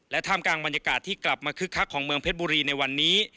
ท่ามกลางบรรยากาศที่กลับมาคึกคักของเมืองเพชรบุรีในวันนี้